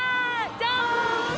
じゃん！